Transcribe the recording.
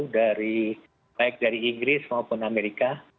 dari baik dari inggris maupun amerika